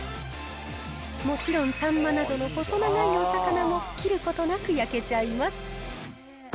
もちろん、サンマなどの細長いお魚も切ることなく焼けちゃいます。